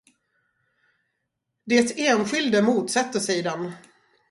Det enskilde motsätter sig den.